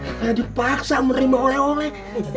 saya dipaksa menerima oleh oleh